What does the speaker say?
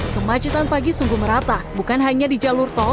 kemacetan pagi sungguh merata bukan hanya di jalur tol